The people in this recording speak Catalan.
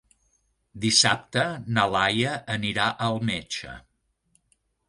Dissabte na Laia anirà al metge.